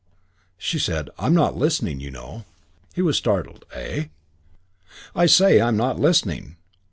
She said, "I'm not listening, you know." He was startled. "Eh?" "I say I'm not listening.